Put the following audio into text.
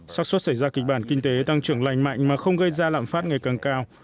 sắc xuất xảy ra kịch bản kinh tế tăng trưởng lành mạnh mà không gây ra lạm phát ngày càng cao